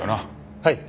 はい。